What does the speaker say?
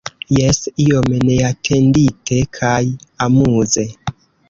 Jes, iom neatendite kaj amuze.